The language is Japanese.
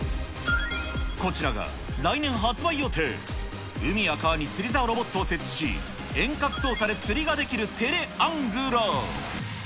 こちらが来年発売予定、海や川に釣りざおロボットを設置し、遠隔操作で釣りができるテレアングラー。